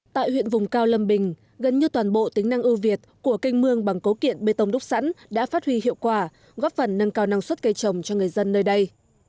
tại huyện vùng cao lâm bình gần như toàn bộ tính năng ưu việt của kênh mương bằng cấu kiện bê tông đúc sẵn đã phát huy hiệu quả góp phần nâng cao năng suất cây trồng cho người dân nơi đây